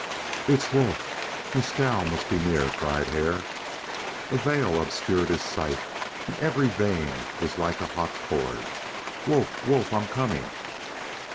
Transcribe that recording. "It's Wolf! Mescal must be near," cried Hare. A veil obscured his sight, and every vein was like a hot cord. "Wolf! Wolf! I'm coming!"